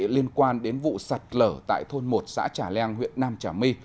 liên quan đến vụ sạt lở tại thôn một xã trà leng huyện nam trà my